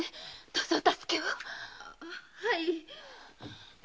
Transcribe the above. どうぞお助けを。